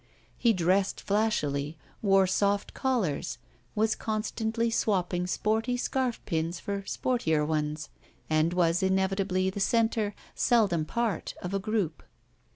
He dressed flashily, wore soft collars, was con stantly swapping spcttiy scarfpins for sportier ones, and was inevitably the center, seldom part, of a group.